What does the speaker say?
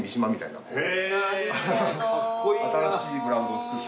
新しいブランドを作って。